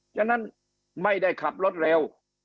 ฉะนั้นไม่ได้ขับรถเร็ว